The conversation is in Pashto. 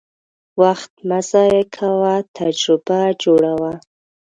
وخت مه ضایع کوه، تجربه جوړه وه.